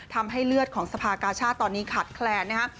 ทำให้เลือดของสภากาชาติตอนนี้ขาดแคลนนะฮะ